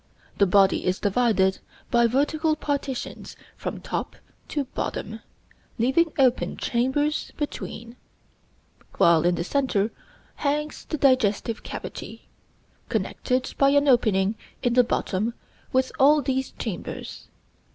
The body is divided by vertical partitions from top to bottom, leaving open chambers between; while in the centre hangs the digestive cavity, connected by an opening in the bottom with all these chambers.